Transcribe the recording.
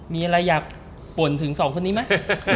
มีอะไรอยากป่นถึงสองคนนี้ไหม